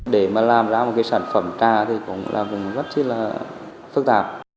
để mà làm ra một cái sản phẩm trà thì cũng là vấn đề rất là phức tạp